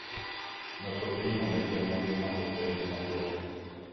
Notre pays en a également besoin pour créer des emplois.